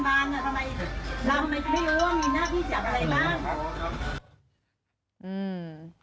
ทำไมเราคิดว่ามีหน้ากีฝากอะไรบ้าง